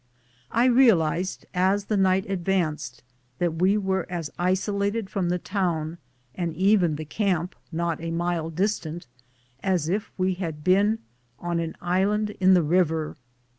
I realized, as the night ad vanced, that we were as isolated from the town, and even the camp, not a mile distant, as if we had been on an island in the river.